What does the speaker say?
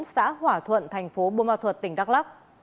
xã hỏa thuận thành phố bô ma thuật tỉnh đắk lắc